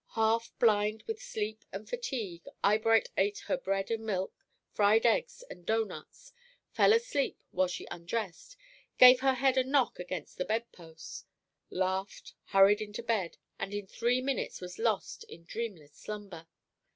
Half blind with sleep and fatigue, Eyebright ate her bread and milk, fried eggs, and doughnuts, fell asleep while she undressed, gave her head a knock against the bedpost, laughed, hurried into bed, and in three minutes was lost in dreamless slumber.